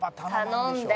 頼んで。